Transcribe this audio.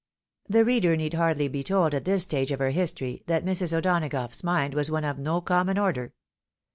The reader need hardly be told at this stage of her history, that Mrs. O'Donagough's mind was one of no common order.